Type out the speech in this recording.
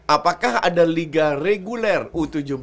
apakah ada liga reguler u tujuh belas